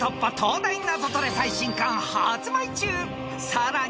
［さらに］